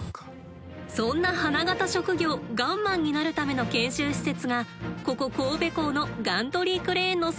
そんな花形職業ガンマンになるための研修施設がここ神戸港のガントリークレーンのすぐそばにあります。